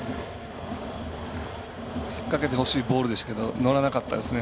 引っ掛けてほしいボールですけど乗らなかったですね。